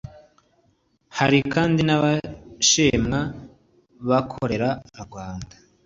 Hari kandi n’Abashinwa bakorera mu Rwanda